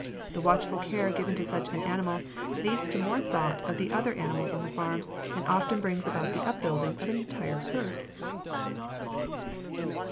The watchful care given to such an animal leads to more thought of the other animals on the farm, and often brings about the upbuilding of an entire herd.